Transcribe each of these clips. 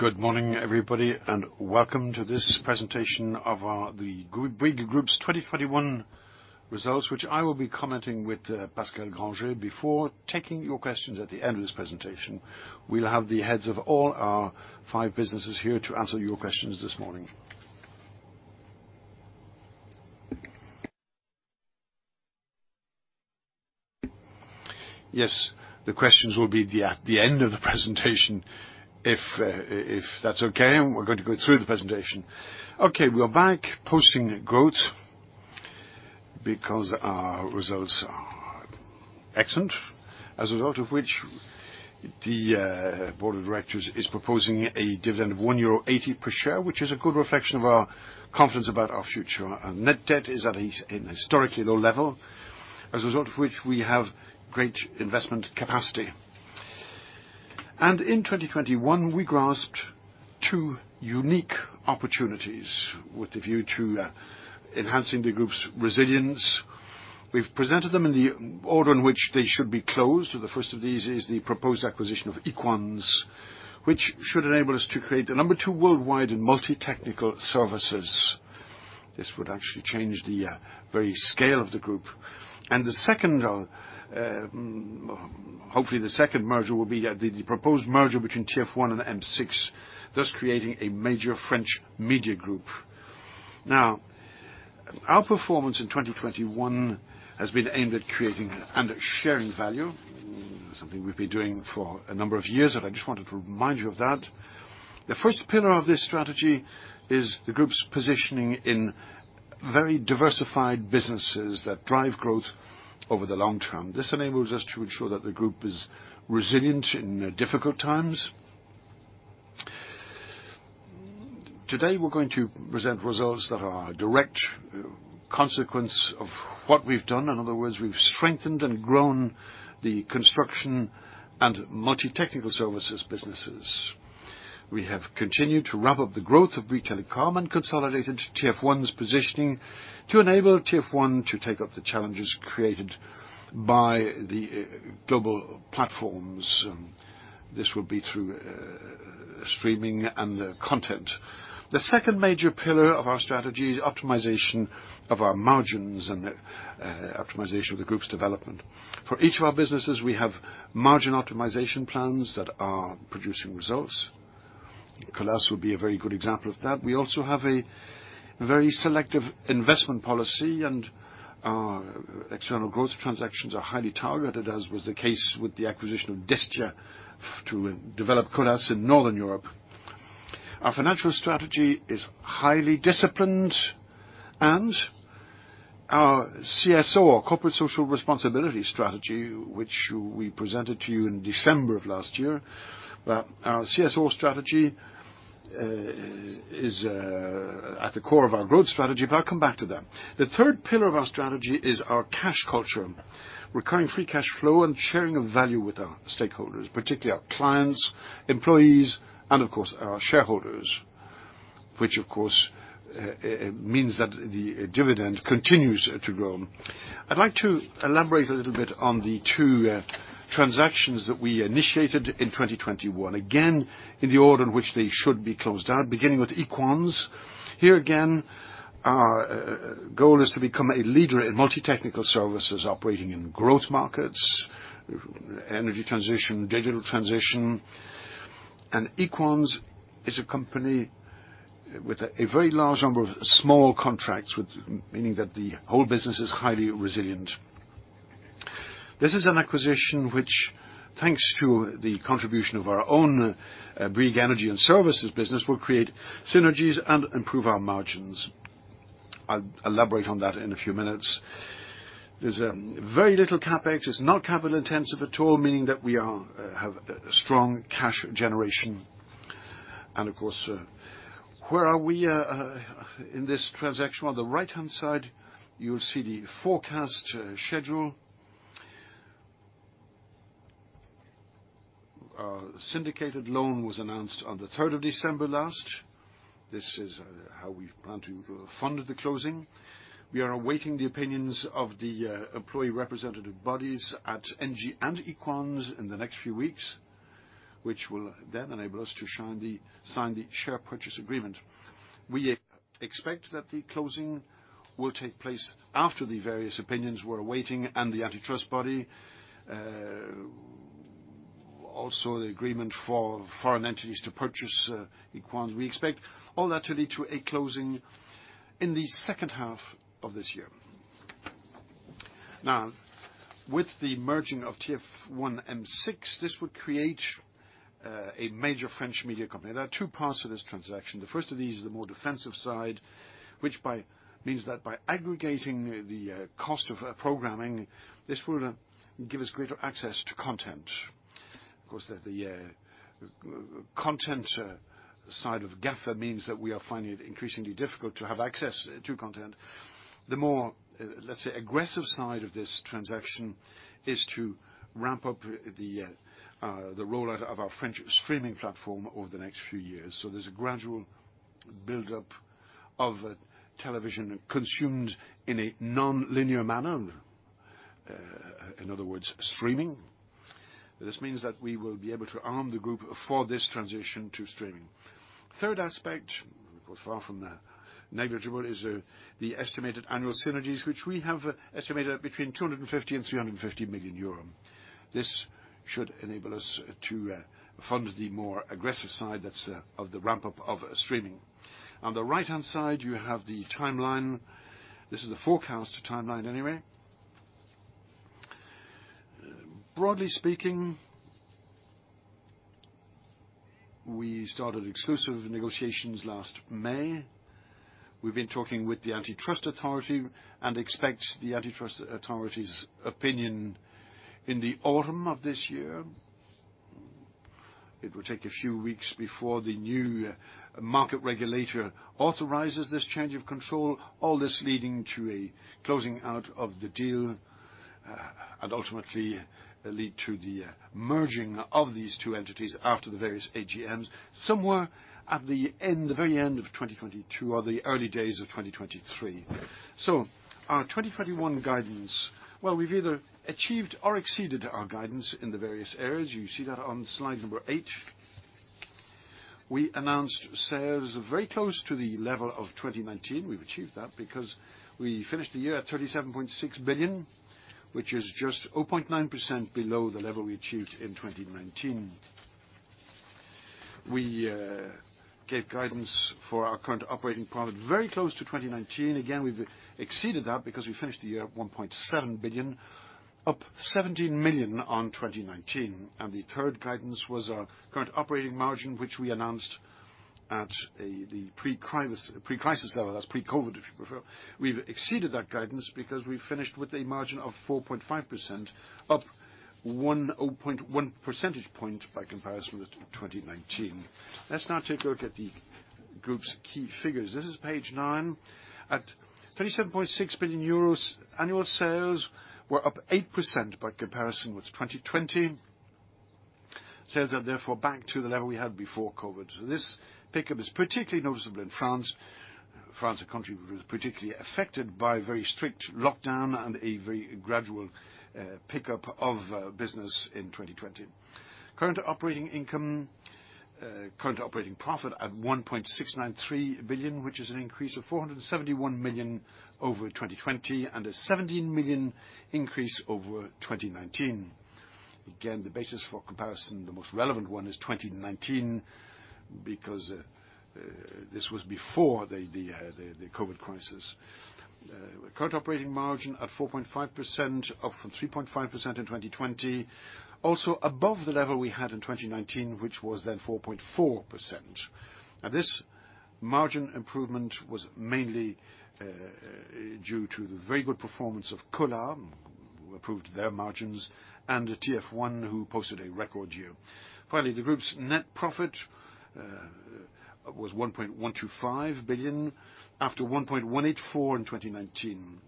Good morning, everybody, and welcome to this presentation of the Bouygues Group's 2021 results, which I will be commenting with Pascal Grangé, before taking your questions at the end of this presentation. We'll have the heads of all our five businesses here to answer your questions this morning. Yes, the questions will be at the end of the presentation. If that's okay, we're going to go through the presentation. Okay, we are back posting growth because our results are excellent. As a result of which the board of directors is proposing a dividend of 1.80 euro per share, which is a good reflection of our confidence about our future. Net debt is at a historically low level, as a result of which we have great investment capacity. In 2021, we grasped two unique opportunities with the view to enhancing the group's resilience. We've presented them in the order in which they should be closed. The first of these is the proposed acquisition of Equans, which should enable us to create the number two worldwide in multi-technical services. This would actually change the very scale of the group. The second merger will be the proposed merger between TF1 and M6, thus creating a major French media group. Our performance in 2021 has been aimed at creating and sharing value, something we've been doing for a number of years, and I just wanted to remind you of that. The first pillar of this strategy is the group's positioning in very diversified businesses that drive growth over the long term. This enables us to ensure that the group is resilient in difficult times. Today, we're going to present results that are a direct consequence of what we've done. In other words, we've strengthened and grown the construction and multi-technical services businesses. We have continued to ramp up the growth of Bouygues Telecom and consolidated TF1's positioning to enable TF1 to take up the challenges created by the global platforms. This will be through streaming and content. The second major pillar of our strategy is optimization of our margins and optimization of the group's development. For each of our businesses, we have margin optimization plans that are producing results. Colas would be a very good example of that. We also have a very selective investment policy, and our external growth transactions are highly targeted, as was the case with the acquisition of Destia to develop Colas in Northern Europe. Our financial strategy is highly disciplined, and our CSR, corporate social responsibility strategy, which we presented to you in December of last year, our CSR strategy is at the core of our growth strategy, but I'll come back to that. The third pillar of our strategy is our cash culture, recurring free cash flow, and sharing of value with our stakeholders, particularly our clients, employees, and of course, our shareholders, which of course means that the dividend continues to grow. I'd like to elaborate a little bit on the two transactions that we initiated in 2021, again, in the order in which they should be closed down, beginning with Equans. Here again, our goal is to become a leader in multi-technical services operating in growth markets, energy transition, digital transition. Equans is a company with a very large number of small contracts, with meaning that the whole business is highly resilient. This is an acquisition which, thanks to the contribution of our own Bouygues Energies & Services business, will create synergies and improve our margins. I'll elaborate on that in a few minutes. There's very little CapEx. It's not capital-intensive at all, meaning that we have a strong cash generation. Of course, where are we in this transaction? On the right-hand side, you'll see the forecast schedule. Our syndicated loan was announced on the third of December last. This is how we plan to fund the closing. We are awaiting the opinions of the employee representative bodies at Engie and Equans in the next few weeks, which will then enable us to sign the share purchase agreement. We expect that the closing will take place after the various opinions we're awaiting and the antitrust body, also the agreement for foreign entities to purchase Equans. We expect all that to lead to a closing in the second half of this year. Now, with the merging of TF1 and M6, this would create a major French media company. There are two parts to this transaction. The first of these is the more defensive side, which means that by aggregating the cost of programming, this would give us greater access to content. Of course, the content side of GAFA means that we are finding it increasingly difficult to have access to content. The more, let's say, aggressive side of this transaction is to ramp up the rollout of our French streaming platform over the next few years. There's a gradual build-up of television consumed in a nonlinear manner. In other words, streaming. This means that we will be able to arm the group for this transition to streaming. Third aspect, but far from negligible, is the estimated annual synergies, which we have estimated at between 250 million and 350 million euro. This should enable us to fund the more aggressive side that's of the ramp-up of streaming. On the right-hand side, you have the timeline. This is a forecast timeline anyway. Broadly speaking, we started exclusive negotiations last May. We've been talking with the antitrust authority and expect the antitrust authority's opinion in the autumn of this year. It will take a few weeks before the new market regulator authorizes this change of control, all this leading to a closing out of the deal, and ultimately lead to the merging of these two entities after the various AGMs, somewhere at the end, the very end of 2022 or the early days of 2023. Our 2021 guidance, well, we've either achieved or exceeded our guidance in the various areas. You see that on slide number eight. We announced sales very close to the level of 2019. We've achieved that because we finished the year at 37.6 billion, which is just 0.9% below the level we achieved in 2019. We gave guidance for our current operating profit very close to 2019. Again, we've exceeded that because we finished the year at 1.7 billion, up 17 million on 2019. The third guidance was our current operating margin, which we announced at the pre-crisis level. That's pre-COVID, if you prefer. We've exceeded that guidance because we finished with a margin of 4.5%, up 1.1 percentage points by comparison with 2019. Let's now take a look at the group's key figures. This is page nine. At 27.6 billion euros, annual sales were up 8% by comparison with 2020. Sales are therefore back to the level we had before COVID. This pickup is particularly noticeable in France. France, a country which was particularly affected by very strict lockdown and a very gradual pickup of business in 2020. Current operating income, current operating profit at 1.693 billion, which is an increase of 471 million over 2020 and a 17 million increase over 2019. Again, the basis for comparison, the most relevant one is 2019 because this was before the COVID crisis. Current operating margin at 4.5%, up from 3.5% in 2020, also above the level we had in 2019, which was then 4.4%. Now this margin improvement was mainly due to the very good performance of Colas who improved their margins, and TF1, who posted a record year. Finally, the group's net profit was 1.125 billion, after 1.184 billion in 2019.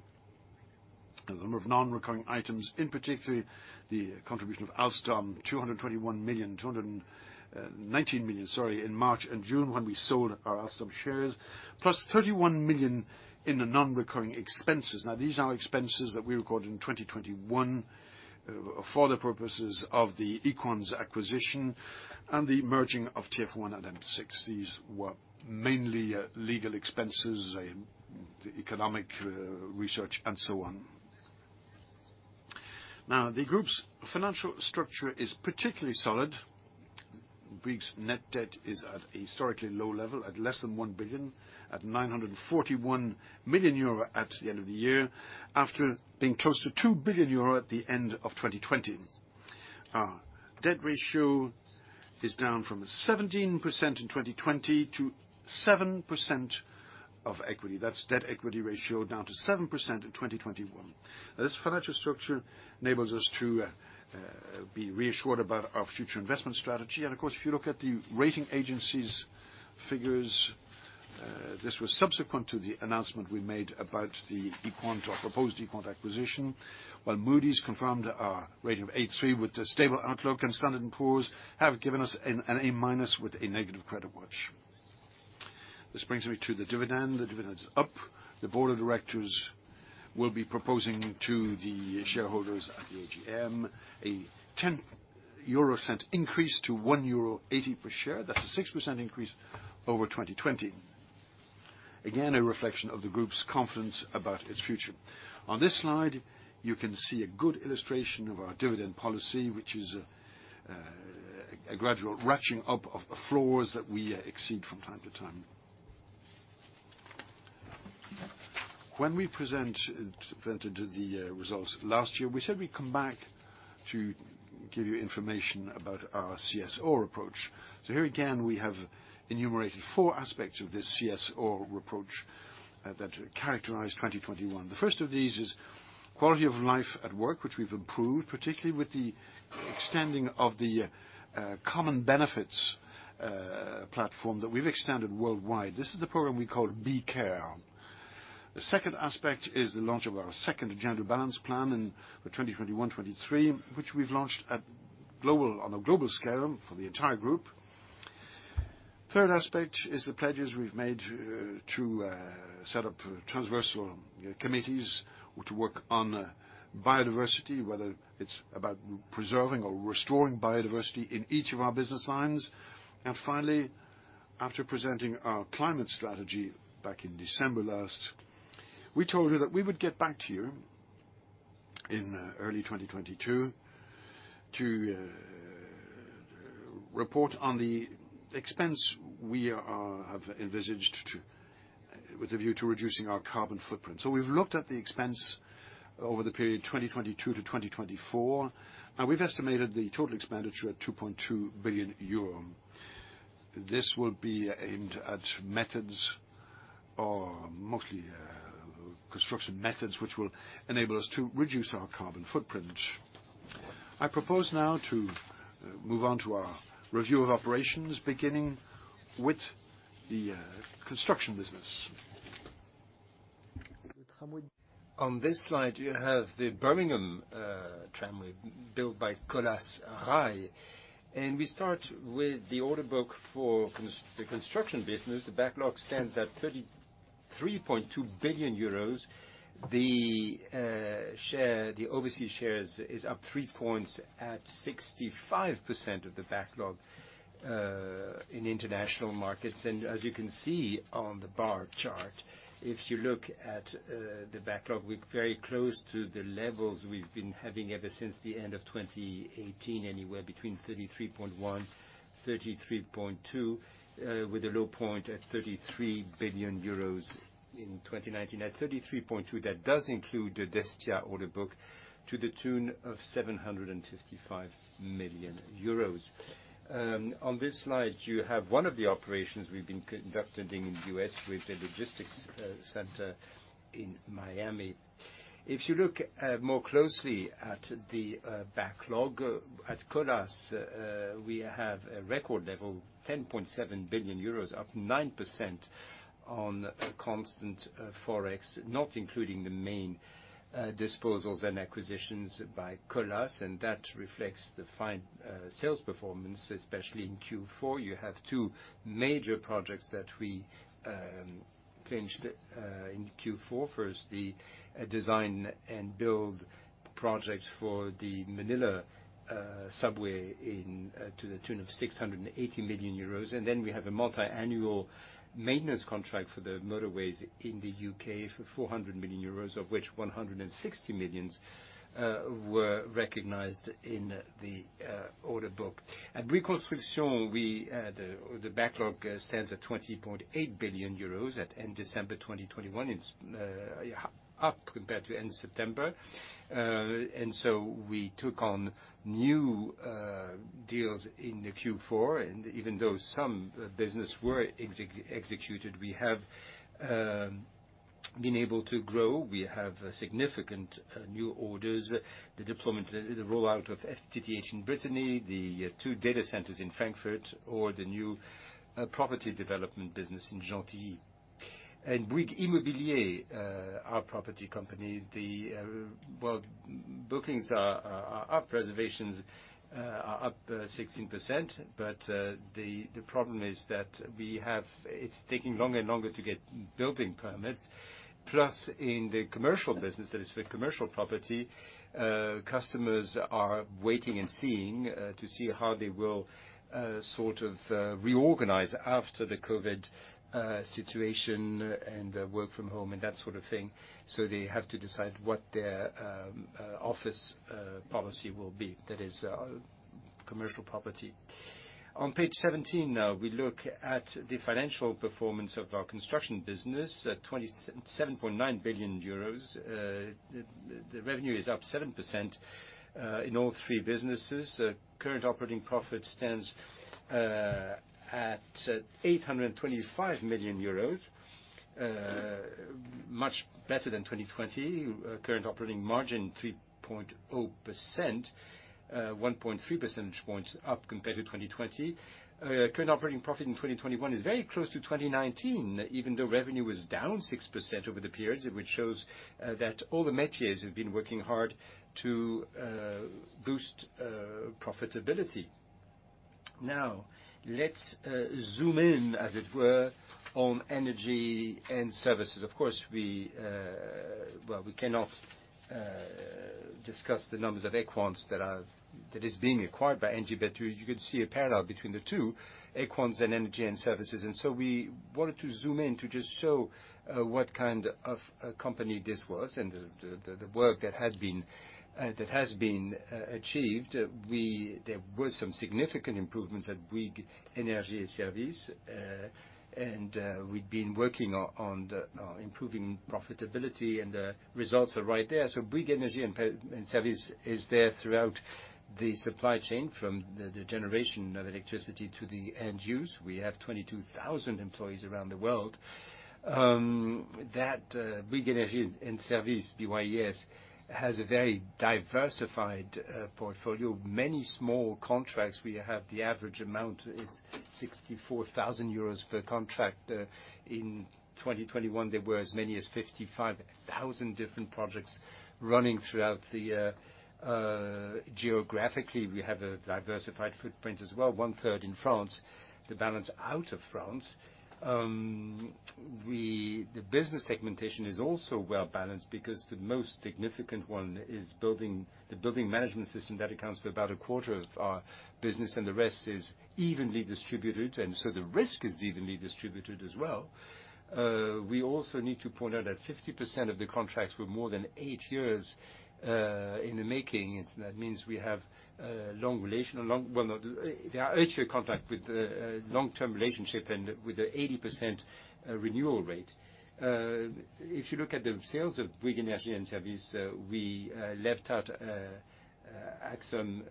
A number of non-recurring items, in particular, the contribution of Alstom, 219 million in March and June when we sold our Alstom shares, plus 31 million in the non-recurring expenses. These are expenses that we recorded in 2021 for the purposes of the Equans acquisition and the merging of TF1 and M6. These were mainly legal expenses and the economic research and so on. The group's financial structure is particularly solid. The group's net debt is at a historically low level, at less than 1 billion, at 941 million euro at the end of the year, after being close to 2 billion euro at the end of 2020. Our debt ratio is down from 17% in 2020 to 7% of equity. That's debt equity ratio down to 7% in 2021. This financial structure enables us to be reassured about our future investment strategy. Of course, if you look at the rating agencies' figures, this was subsequent to the announcement we made about the proposed Equans acquisition. While Moody's confirmed our rating of A3 with a stable outlook, and Standard & Poor's have given us an A- with a negative credit watch. This brings me to the dividend. The dividend's up. The board of directors will be proposing to the shareholders at the AGM a 0.10 EUR increase to 1.80 euro per share. That's a 6% increase over 2020. Again, a reflection of the group's confidence about its future. On this slide, you can see a good illustration of our dividend policy, which is a gradual ratcheting up of floors that we exceed from time to time. When we presented the results last year, we said we'd come back to give you information about our CSR approach. Here again, we have enumerated four aspects of this CSR approach that characterized 2021. The first of these is quality of life at work, which we've improved, particularly with the extending of the common benefits platform that we've extended worldwide. This is the program we call BYCare. The second aspect is the launch of our second Gender Balance Plan in the 2021-2023, which we've launched on a global scale for the entire group. Third aspect is the pledges we've made to set up transversal committees to work on biodiversity, whether it's about preserving or restoring biodiversity in each of our business lines. Finally, after presenting our climate strategy back in December last, we told you that we would get back to you in early 2022 to report on the expense we have envisaged with a view to reducing our carbon footprint. We've looked at the expense over the period 2022 to 2024, and we've estimated the total expenditure at 2.2 billion euro. This will be aimed at methods, mostly construction methods, which will enable us to reduce our carbon footprint. I propose now to move on to our review of operations, beginning with the construction business. On this slide, you have the Birmingham tramway built by Colas Rail, and we start with the order book for the construction business. The backlog stands at 33.2 billion euros. The overseas share is up 3 points at 65% of the backlog in international markets. As you can see on the bar chart, if you look at the backlog, we're very close to the levels we've been having ever since the end of 2018, anywhere between 33.1, 33.2, with a low point at 33 billion euros in 2019. At 33.2, that does include the Destia order book to the tune of 755 million euros. On this slide, you have one of the operations we've been conducting in the U.S. with the logistics center in Miami. If you look more closely at the backlog at Colas, we have a record level, 10.7 billion euros, up 9% on constant Forex, not including the main disposals and acquisitions by Colas, and that reflects the fine sales performance, especially in Q4. You have two major projects that we clinched in Q4. First, the design and build project for the Manila subway to the tune of 680 million euros. Then we have a multi-annual maintenance contract for the motorways in the U.K. for 400 million euros, of which 160 million were recognized in the order book. At Bouygues Construction, the backlog stands at 20.8 billion euros at end December 2021. It's up compared to end September. We took on new deals in Q4. Even though some business were executed, we have been able to grow. We have significant new orders, the deployment, the rollout of FTTH in Brittany, the two data centers in Frankfurt or the new property development business in Gentilly. At Bouygues Immobilier, our property company. Well, bookings are up. Reservations are up 16%. The problem is that it's taking longer and longer to get building permits. Plus, in the commercial business, that is for commercial property, customers are waiting and seeing to see how they will sort of reorganize after the COVID situation and work from home and that sort of thing. They have to decide what their office policy will be. That is commercial property. On page 17 now, we look at the financial performance of our construction business at 27.9 billion euros. The revenue is up 7% in all three businesses. Current operating profit stands at 825 million euros, much better than 2020. Current operating margin 3.0%, 1.3 percentage points up compared to 2020. Current operating profit in 2021 is very close to 2019, even though revenue was down 6% over the period, which shows that all the métiers have been working hard to boost profitability. Now, let's zoom in, as it were, on energy and services. Of course, we..., we cannot discuss the numbers of Equans that is being acquired by Engie, but you can see a parallel between the two, Equans and energy and services. We wanted to zoom in to just show what kind of a company this was and the work that has been achieved. There were some significant improvements at Bouygues Energies & Services. We've been working on improving profitability, and the results are right there. Bouygues Energies & Services is there throughout the supply chain, from the generation of electricity to the end use. We have 22,000 employees around the world. Bouygues Energies & Services, BYES, has a very diversified portfolio. Many small contracts, we have the average amount is 64,000 euros per contract. In 2021, there were as many as 55,000 different projects running throughout the year. Geographically, we have a diversified footprint as well, one-third in France, the balance out of France. The business segmentation is also well-balanced because the most significant one is building, the building management system that accounts for about a quarter of our business, and the rest is evenly distributed, so the risk is evenly distributed as well. We also need to point out that 50% of the contracts were more than eight years in the making. That means we have eight-year contracts with long-term relationships and an 80% renewal rate. If you look at the sales of Bouygues Energies & Services, we left out Axione,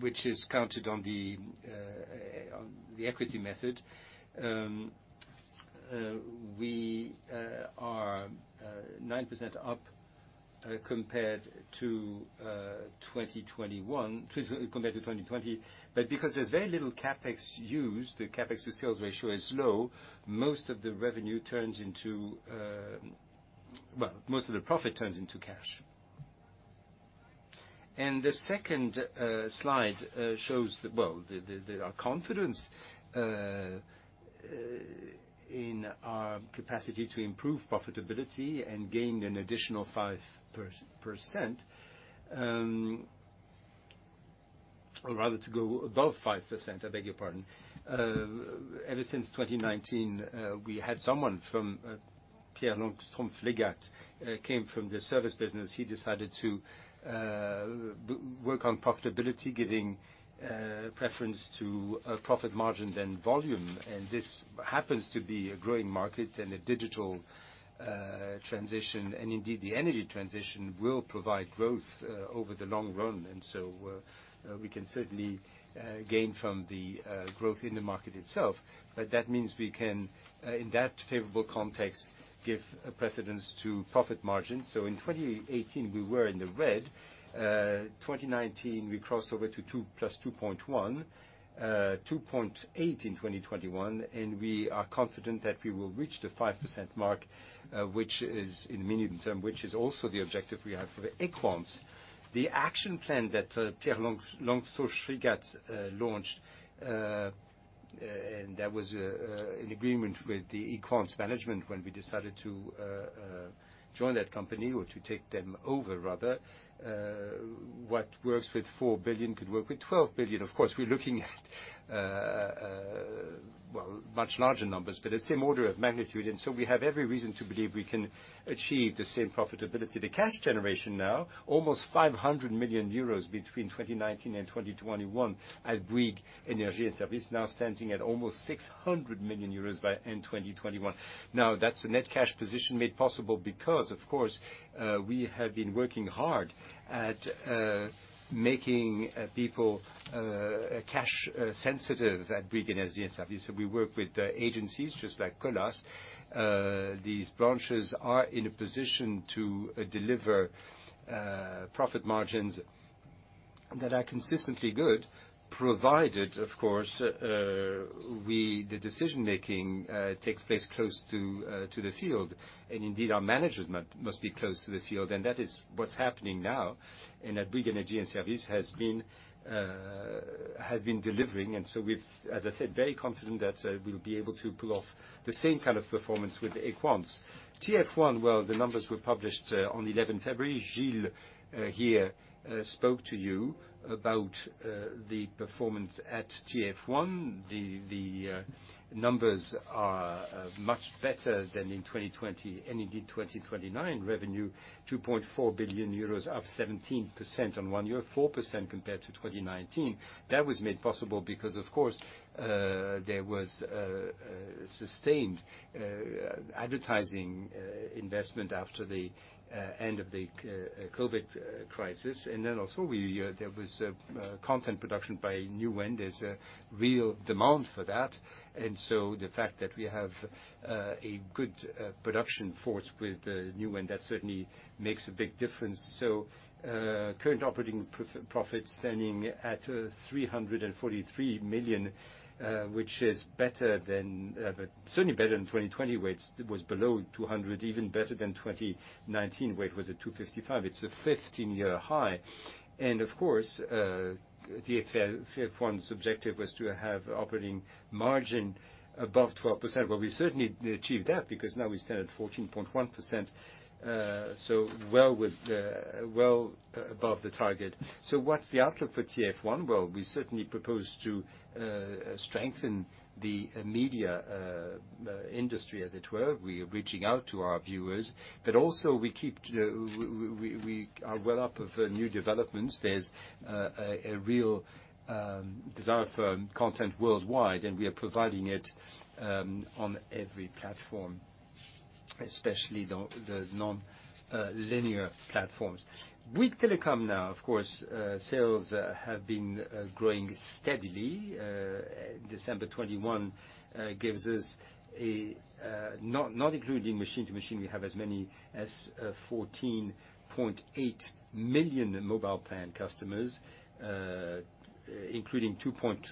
which is counted on the equity method. We are 9% up compared to 2020. But because there's very little CapEx used, the CapEx to sales ratio is low, most of the profit turns into cash. The second slide shows that, our confidence in our capacity to improve profitability and gain an additional 5%, or rather to go above 5%, I beg your pardon. Ever since 2019, we had someone from Pierre Vanstoflegatte came from the service business. He decided to work on profitability, giving preference to profit margin than volume, and this happens to be a growing market and a digital transition. Indeed, the energy transition will provide growth over the long run, and so we can certainly gain from the growth in the market itself. That means we can, in that favorable context, give precedence to profit margin. In 2018, we were in the red. 2019, we crossed over to 2 plus 2.1%. 2.8% in 2021, and we are confident that we will reach the 5% mark, which is in the medium term, which is also the objective we have for Equans. The action plan that Pierre Vanstoflegatte launched and that was an agreement with the Equans management when we decided to join that company or to take them over rather. What works with 4 billion could work with 12 billion. Of course, we're looking at well much larger numbers, but the same order of magnitude. We have every reason to believe we can achieve the same profitability. The cash generation now almost 500 million euros between 2019 and 2021 at Bouygues Energies & Services, now standing at almost 600 million euros by end 2021. Now, that's a net cash position made possible because, of course, we have been working hard at making people cash sensitive at Bouygues Energies & Services. We work with agencies just like Colas. These branches are in a position to deliver profit margins that are consistently good, provided, of course, the decision-making takes place close to the field. Indeed, our management must be close to the field, and that is what's happening now. Bouygues Energies & Services has been delivering. We've, as I said, very confident that we'll be able to pull off the same kind of performance with Equans. TF1, well, the numbers were published on the eleventh of February. Mathieu Robillard here spoke to you about the performance at TF1. The numbers are much better than in 2020, and indeed, 2021. Revenue, 2.4 billion euros, up 17% on one year, 4% compared to 2019. That was made possible because, of course, there was sustained advertising investment after the end of the COVID crisis. There was content production by Newen. There's a real demand for that. The fact that we have a good production force with Newen, that certainly makes a big difference. Current operating profits standing at 343 million, which is better than but certainly better than 2020, where it was below 200 million, even better than 2019, where it was at 255 million. It's a 15-year high. Of course, TF1's objective was to have operating margin above 12%. Well, we certainly achieved that because now we stand at 14.1%, so we're well above the target. What's the outlook for TF1? Well, we certainly propose to strengthen the media industry, as it were. We are reaching out to our viewers, but also we keep up with new developments. There's a real desire for content worldwide, and we are providing it on every platform. Especially the non-linear platforms. Bouygues Telecom now, of course, sales have been growing steadily. December 2021 gives us, not including machine to machine, we have as many as 14.8 million mobile plan customers. Including 2 point.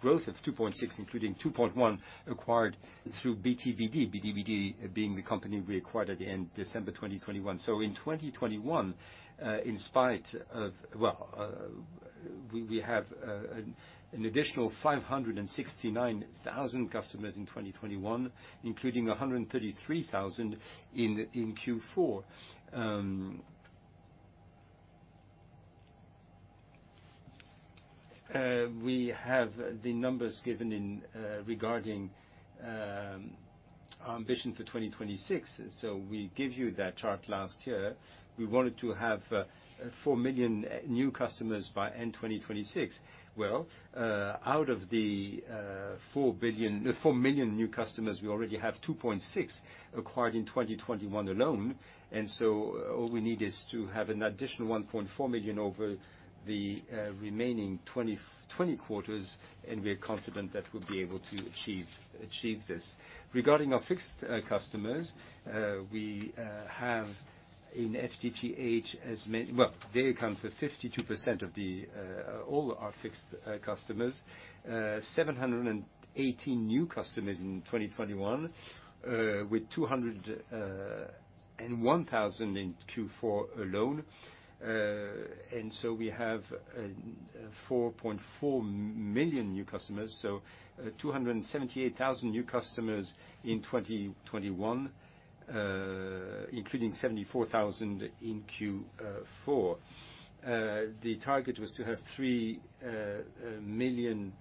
Growth of 2.6, including 2.1 acquired through BTBD. BTBD being the company we acquired at the end of December 2021. In 2021, in spite of, we have an additional 569,000 customers in 2021, including 133,000 in Q4. We have the numbers given regarding our ambition for 2026. We gave you that chart last year. We wanted to have 4 million new customers by end 2026. Out of the 4 million new customers, we already have 2.6 acquired in 2021 alone. All we need is to have an additional 1.4 million over the remaining 20 quarters, and we're confident that we'll be able to achieve this. Regarding our fixed customers, they account for 52% of all our fixed customers. 780 new customers in 2021, with 201,000 in Q4 alone. We have 4.4 million new customers, so 278,000 new customers in 2021, including 74,000 in Q4. The target was to have 3 million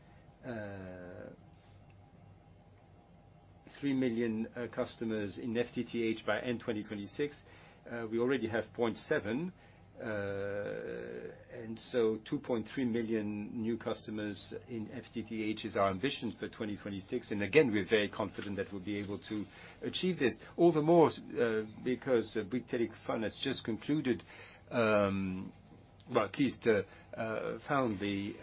customers in FTTH by end 2026. We already have 0.7, so 2.3 million new customers in FTTH is our ambition for 2026. Again, we're very confident that we'll be able to achieve this. All the more, because Bouygues Telecom has just found the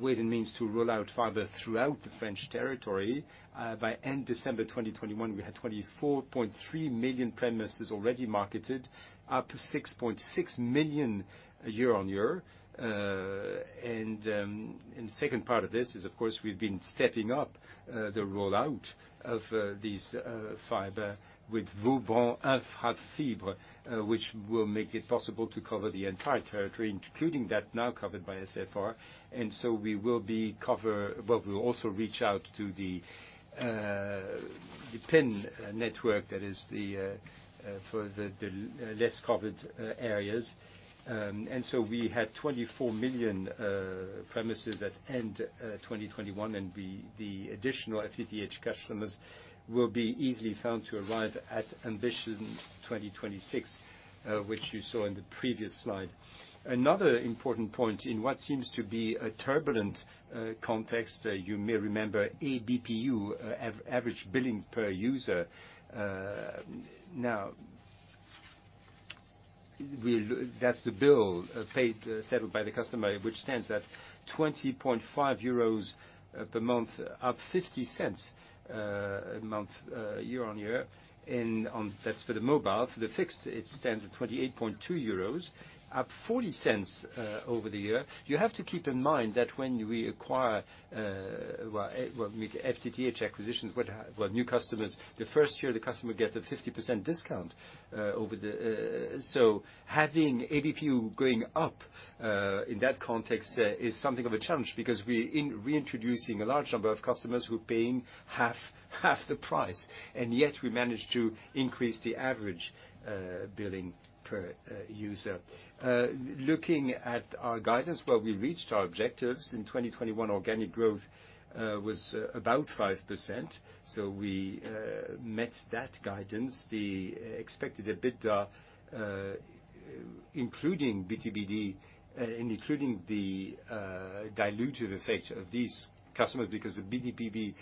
ways and means to roll out fiber throughout the French territory. By end December 2021, we had 24.3 million premises already marketed, up 6.6 million year-on-year. Second part of this is, of course, we've been stepping up the rollout of these fiber with Vauban Infra Fibre, which will make it possible to cover the entire territory, including that now covered by SFR. We'll also reach out to the PIN network, that is, for the less covered areas. We had 24 million premises at end 2021, and the additional FTTH customers will be easily found to arrive at ambition 2026, which you saw in the previous slide. Another important point in what seems to be a turbulent context, you may remember ABPU, average billing per user. That's the bill paid, settled by the customer, which stands at 20.5 euros per month, up 0.50 a month year-on-year. That's for the mobile. For the fixed, it stands at 28.2 euros, up 0.40 over the year. You have to keep in mind that when we acquire, well, with FTTH acquisitions, new customers, the first year the customer gets a 50% discount over the. Having ABPU going up in that context is something of a challenge because we're reintroducing a large number of customers who are paying half the price, and yet we managed to increase the average billing per user. Looking at our guidance, well, we reached our objectives. In 2021 organic growth was about 5%, so we met that guidance. The expected EBITDA including BTBD including the dilutive effect of these customers because the BTBD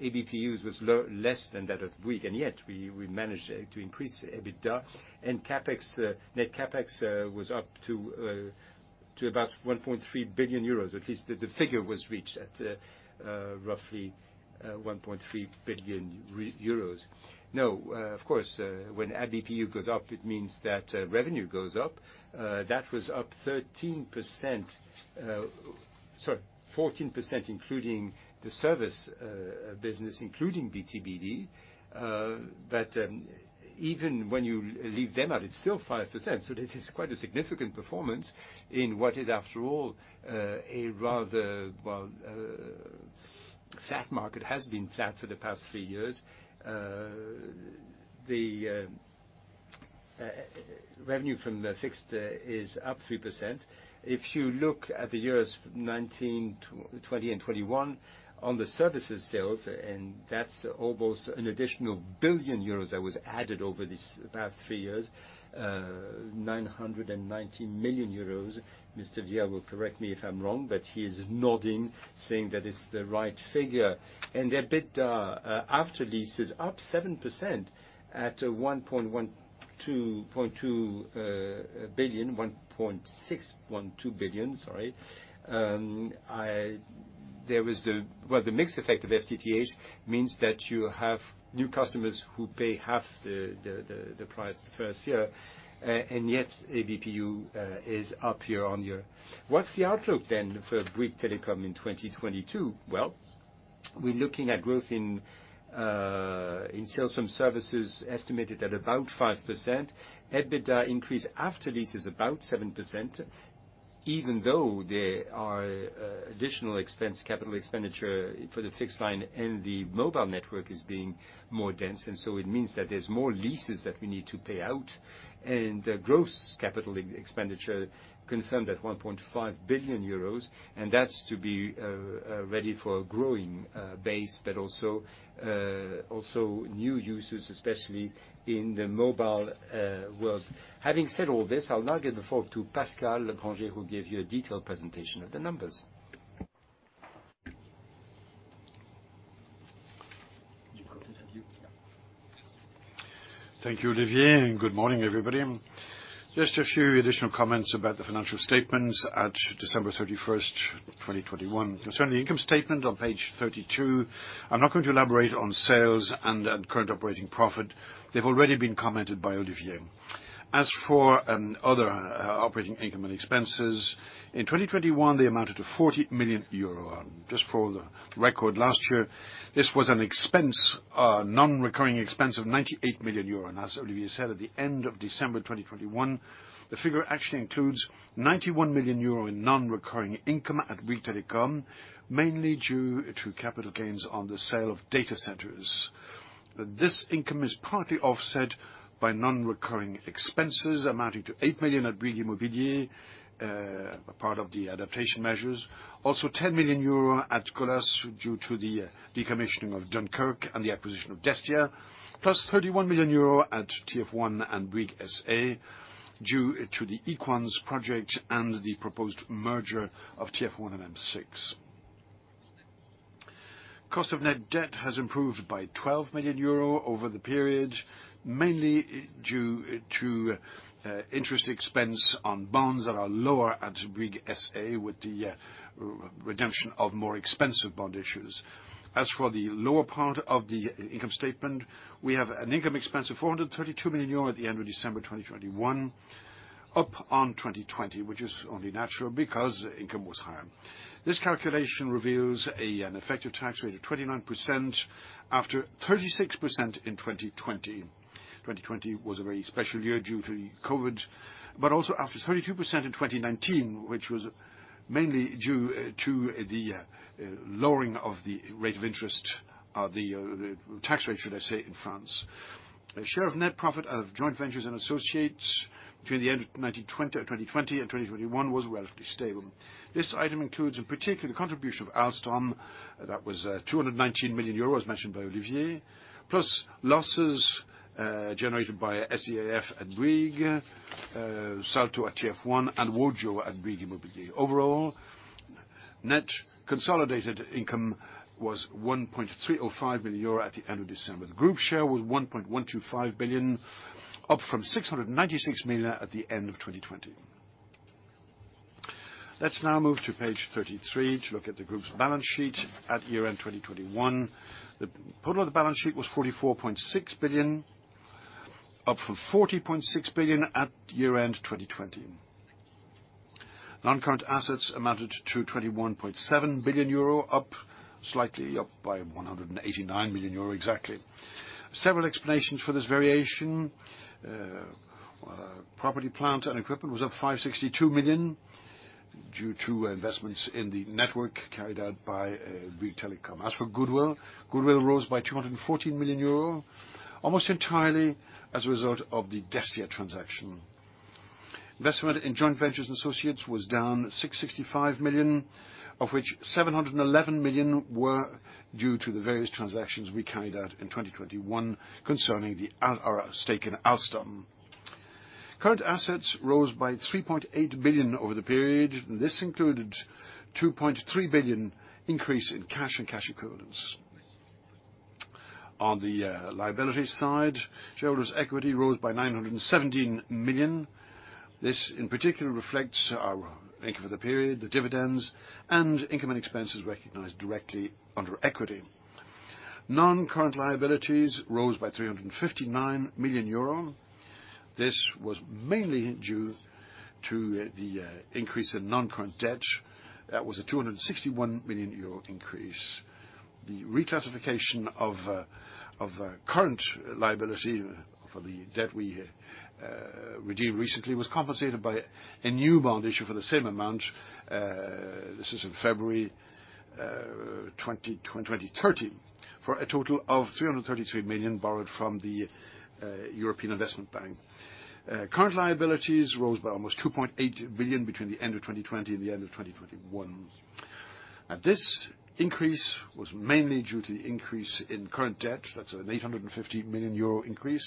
ABPUs was low, less than that of Bouygues, and yet we managed to increase EBITDA. CapEx, net CapEx, was up to about 1.3 billion euros. At least the figure was reached at roughly 1.3 billion euros. Now, of course, when ABPU goes up, it means that revenue goes up. That was up 13%, sorry, 14%, including the service business, including BTBD. But even when you leave them out, it's still 5%. It is quite a significant performance in what is, after all, a rather well flat market that has been flat for the past three years. The revenue from the fixed is up 3%. If you look at the years 2019, 2020 and 2021 on the services sales, and that's almost an additional 1 billion euros that was added over this past three years, 990 million euros. Mr. Viel will correct me if I'm wrong, but he is nodding, saying that it's the right figure. EBITDA after lease is up 7% at 1.12 billion. 1.612 billion, sorry. There was well, the mixed effect of FTTH means that you have new customers who pay half the price the first year, and yet ABPU is up year on year. What's the outlook then for Bouygues Telecom in 2022? Well, we're looking at growth in sales from services estimated at about 5%. EBITDA increase after lease is about 7%, even though there are additional expense capital expenditure for the fixed line, and the mobile network is being more dense. It means that there's more leases that we need to pay out. Gross capital expenditure confirmed at 1.5 billion euros, and that's to be ready for a growing base, but also new users, especially in the mobile world. Having said all this, I'll now give the floor to Pascal Grangé, who'll give you a detailed presentation of the numbers. Thank you, Olivier, and good morning, everybody. Just a few additional comments about the financial statements at December 31, 2021. Concerning the income statement on page 32, I'm not going to elaborate on sales and on current operating profit. They've already been commented by Olivier. As for other operating income and expenses, in 2021, they amounted to 40 million euro. Just for the record, last year, this was an expense non-recurring expense of 98 million euro. As Olivier said, at the end of December 2021, the figure actually includes 91 million euro in non-recurring income at Bouygues Telecom, mainly due to capital gains on the sale of data centers. This income is partly offset by non-recurring expenses amounting to 8 million at Bouygues Immobilier, a part of the adaptation measures. Also 10 million euro at Colas due to the decommissioning of Dunkirk and the acquisition of Destia, plus 31 million euro at TF1 and Bouygues SA due to the Equans project and the proposed merger of TF1 and M6. Cost of net debt has improved by 12 million euro over the period, mainly due to interest expense on bonds that are lower at Bouygues SA with the redemption of more expensive bond issues. As for the lower part of the income statement, we have an income tax expense of 432 million euro at the end of December 2021, up on 2020, which is only natural because income was higher. This calculation reveals an effective tax rate of 29% after 36% in 2020. 2020 was a very special year due to COVID, but also after 32% in 2019, which was mainly due to the lowering of the rate of interest, of the tax rate, should I say, in France. Share of net profit of joint ventures and associates between the end of 2019, 2020 and 2021 was relatively stable. This item includes a particular contribution of Alstom. That was 219 million euros, mentioned by Olivier. Plus losses generated by SEAF at Bouygues, Salto at TF1, and Wojo at Bouygues Immobilier. Overall, net consolidated income was 1.305 billion euro at the end of December. The group share was 1.125 billion, up from 696 million at the end of 2020. Let's now move to page 33 to look at the group's balance sheet at year-end 2021. The total of the balance sheet was 44.6 billion, up from 40.6 billion at year-end 2020. Non-current assets amounted to 21.7 billion euro, slightly up by 189 million euro exactly. Several explanations for this variation. Property, plant, and equipment was up 562 million due to investments in the network carried out by Bouygues Telecom. As for goodwill rose by 214 million euro, almost entirely as a result of the Destia transaction. Investment in joint ventures and associates was down 665 million, of which 711 million were due to the various transactions we carried out in 2021 concerning our stake in Alstom. Current assets rose by 3.8 billion over the period. This included a 2.3 billion increase in cash and cash equivalents. On the liability side, shareholders' equity rose by 917 million. This in particular reflects our income for the period, the dividends, and income and expenses recognized directly under equity. Non-current liabilities rose by 359 million euro. This was mainly due to the increase in non-current debt. That was a 261 million euro increase. The reclassification of current liability for the debt we redeemed recently was compensated by a new bond issue for the same amount. This is in February 2030, for a total of 333 million borrowed from the European Investment Bank. Current liabilities rose by almost 2.8 billion between the end of 2020 and the end of 2021. This increase was mainly due to the increase in current debt. That's an 850 million euro increase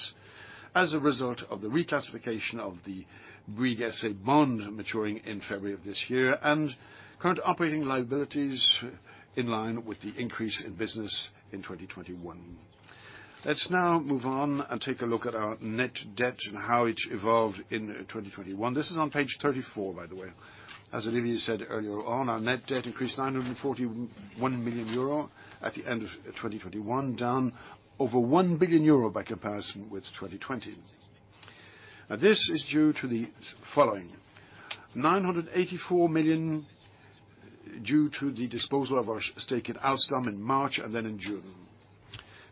as a result of the reclassification of the Bouygues SA bond maturing in February of this year. Current operating liabilities in line with the increase in business in 2021. Let's now move on and take a look at our net debt and how it evolved in 2021. This is on page 34, by the way. As Olivier said earlier on, our net debt is 941 million euro at the end of 2021, down over 1 billion euro by comparison with 2020. Now, this is due to the following. 984 million due to the disposal of our stake in Alstom in March and then in June.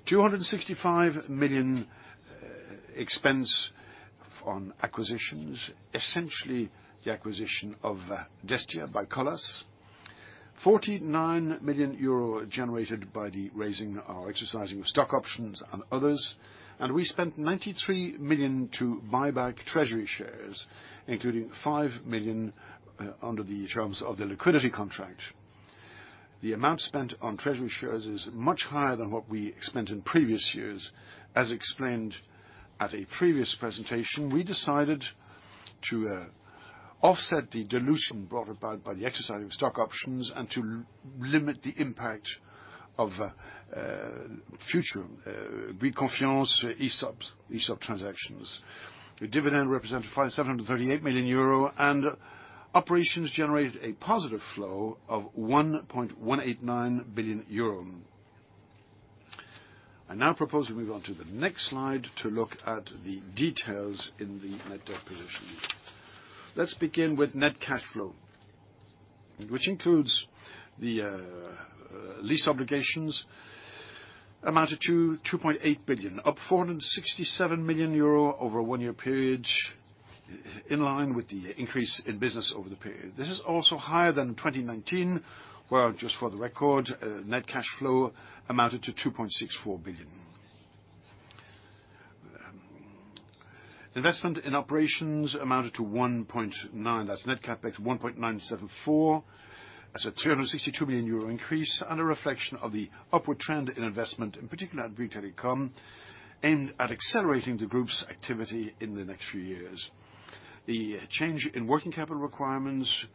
265 million expense on acquisitions, essentially the acquisition of Destia by Colas. 49 million euro generated by the raising or exercising of stock options and others. We spent 93 million to buy back treasury shares, including 5 million under the terms of the liquidity contract. The amount spent on treasury shares is much higher than what we spent in previous years. As explained at a previous presentation, we decided to offset the dilution brought about by the exercise of stock options and to limit the impact of future Bouygues Confiance ESOPs, ESOP transactions. The dividend represented 538 million euro, and operations generated a positive flow of 1.189 billion euro. I now propose we move on to the next slide to look at the details in the net debt position. Let's begin with net cash flow, which includes the lease obligations, amounted to 2.8 billion, up 467 million euro over a one-year period, in line with the increase in business over the period. This is also higher than 2019, where, just for the record, net cash flow amounted to 2.64 billion. Investment in operations amounted to 1.9. That's net CapEx, 1.974. That's a 362 million euro increase and a reflection of the upward trend in investment, in particular at Bouygues Telecom, aimed at accelerating the group's activity in the next few years. The change in working capital requirements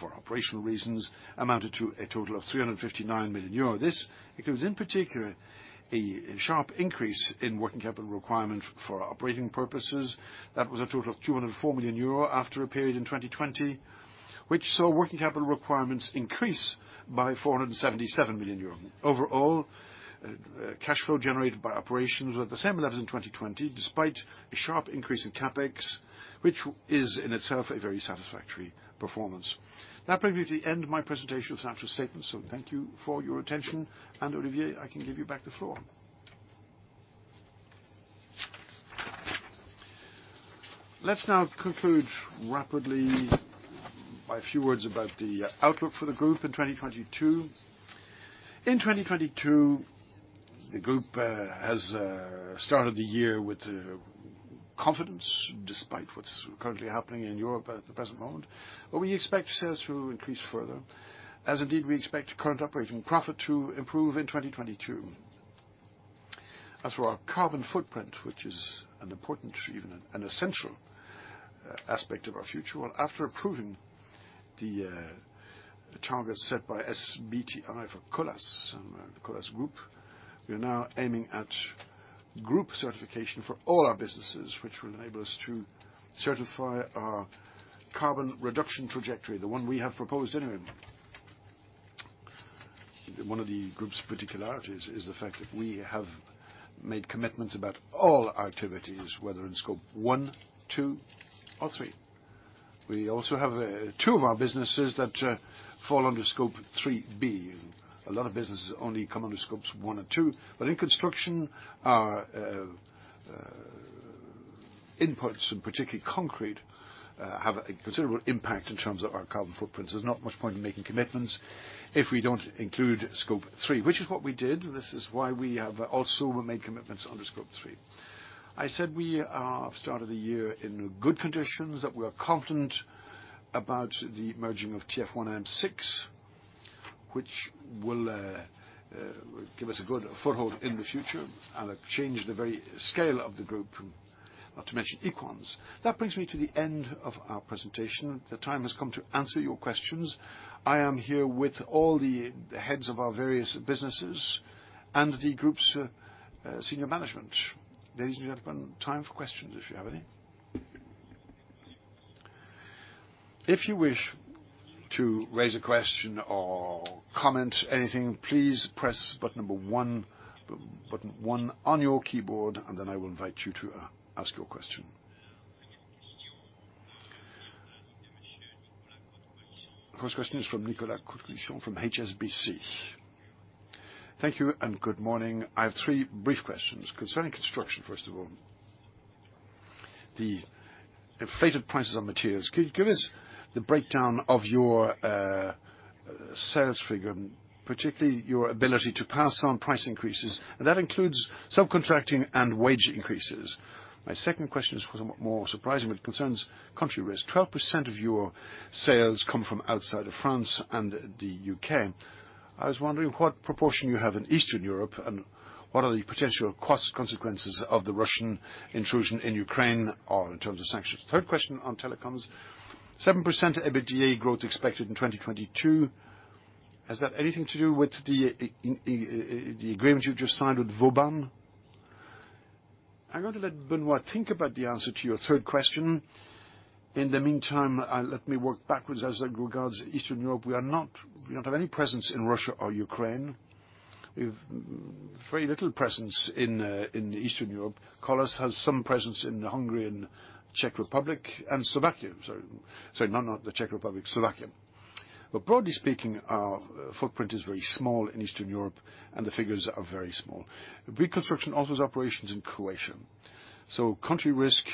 for operational reasons amounted to a total of 359 million euro. This includes, in particular, a sharp increase in working capital requirement for operating purposes. That was a total of 204 million euro after a period in 2020, which saw working capital requirements increase by 477 million euros. Overall, cash flow generated by operations were at the same level as in 2020, despite a sharp increase in CapEx, which is in itself a very satisfactory performance. That brings me to the end of my presentation of financial statements, so thank you for your attention. Olivier, I can give you back the floor. Let's now conclude rapidly by a few words about the outlook for the group in 2022. In 2022, the group has started the year with confidence, despite what's currently happening in Europe at the present moment. We expect sales to increase further, as indeed we expect current operating profit to improve in 2022. As for our carbon footprint, which is an important, even an essential, aspect of our future, well, after approving the targets set by SBTi for Colas and the Colas group, we're now aiming at group certification for all our businesses, which will enable us to certify our carbon reduction trajectory, the one we have proposed anyway. One of the group's particularities is the fact that we have made commitments about all our activities, whether in Scope 1, 2, or 3. We also have two of our businesses that fall under Scope 3b. A lot of businesses only come under Scope 1 and 2, but in construction, our inputs, and particularly concrete, have a considerable impact in terms of our carbon footprint. There's not much point in making commitments if we don't include Scope 3, which is what we did. This is why we have also made commitments under Scope 3. I said we have started the year in good conditions, that we are confident about the merging of TF1 and M6, which will give us a good foothold in the future and change the very scale of the group, not to mention Equans. That brings me to the end of our presentation. The time has come to answer your questions. I am here with all the heads of our various businesses and the group's senior management. Ladies, we have time for questions, if you have any. If you wish to raise a question or comment anything, please press button number one, button one on your keyboard, and then I will invite you to ask your question. First question is from Nicolas Cote-Colisson from HSBC. Thank you and good morning. I have three brief questions concerning construction, first of all. The inflated prices of materials. Could you give us the breakdown of your sales figure, particularly your ability to pass on price increases, and that includes subcontracting and wage increases? My second question is somewhat more surprising, but it concerns country risk. 12% of your sales come from outside of France and the U.K. I was wondering what proportion you have in Eastern Europe, and what are the potential cost consequences of the Russian intrusion in Ukraine or in terms of sanctions? Third question on telecoms. 7% EBITDA growth expected in 2022. Has that anything to do with the agreement you've just signed with Vauban? I'm going to let Benoît think about the answer to your third question. In the meantime, let me work backwards. As it regards Eastern Europe, we don't have any presence in Russia or Ukraine. We've very little presence in Eastern Europe. Colas has some presence in Hungary and Czech Republic, and Slovakia. Sorry, not the Czech Republic, Slovakia. But broadly speaking, our footprint is very small in Eastern Europe, and the figures are very small. Bouygues Construction also has operations in Croatia. Country risk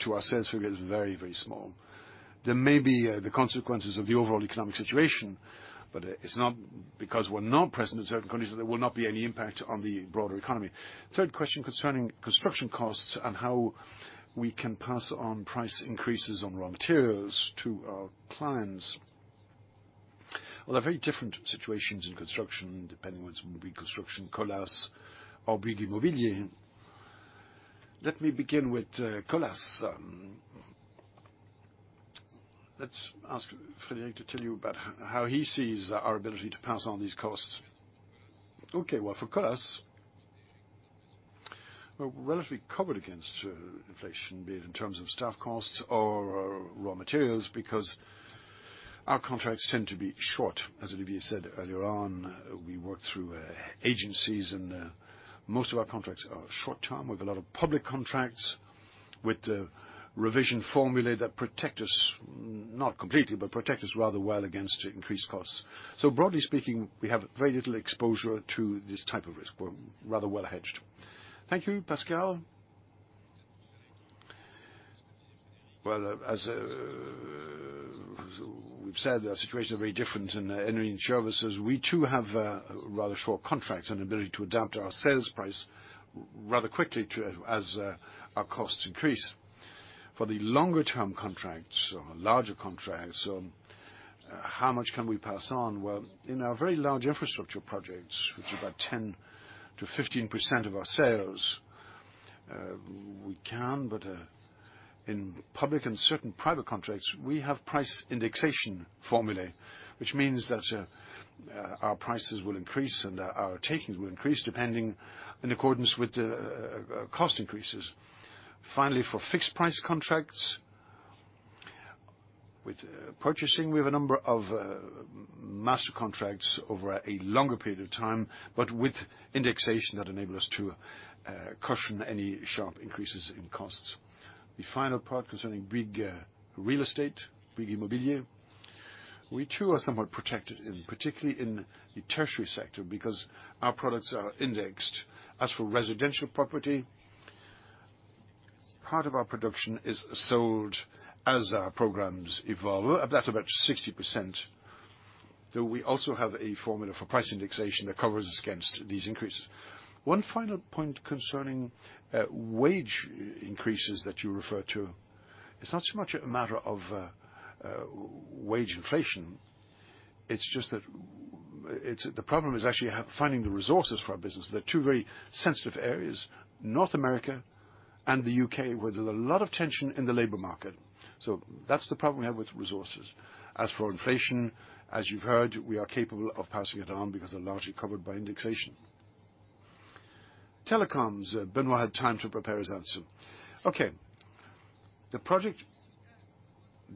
to our sales figure is very, very small. There may be the consequences of the overall economic situation, but it's not because we're not present in certain countries, there will not be any impact on the broader economy. Third question concerning construction costs and how we can pass on price increases on raw materials to our clients. Well, they're very different situations in construction, depending on whether it's going to be construction, Colas or Bouygues Immobilier. Let me begin with Colas. Let's ask Frédéric to tell you about how he sees our ability to pass on these costs. Okay. Well, for Colas, we're relatively covered against inflation, be it in terms of staff costs or raw materials, because our contracts tend to be short. As Olivier said earlier on, we work through agencies, and most of our contracts are short-term with a lot of public contracts, with a revision formula that protect us, not completely, but protect us rather well against increased costs. Broadly speaking, we have very little exposure to this type of risk. We're rather well hedged. Thank you. Pascal? As we've said, our situations are very different in energy services. We too have rather short contracts and ability to adapt our sales price rather quickly as our costs increase. For the longer term contracts or larger contracts, how much can we pass on? Well, in our very large infrastructure projects, which is about 10%-15% of our sales, in public and certain private contracts, we have price indexation formulae, which means that our prices will increase and our takings will increase depending in accordance with the cost increases. Finally, for fixed price contracts, with purchasing, we have a number of master contracts over a longer period of time, but with indexation that enable us to cushion any sharp increases in costs. The final part concerning big real estate, Bouygues Immobilier, we too are somewhat protected, particularly in the tertiary sector, because our products are indexed. As for residential property, part of our production is sold as our programs evolve. That's about 60%, though we also have a formula for price indexation that covers us against these increases. One final point concerning wage increases that you refer to. It's not so much a matter of wage inflation. It's just that the problem is actually finding the resources for our business. There are two very sensitive areas, North America and the U.K., where there's a lot of tension in the labor market. So that's the problem we have with resources. As for inflation, as you've heard, we are capable of passing it on because they're largely covered by indexation. Telecoms. Benoît had time to prepare his answer. Okay. The project.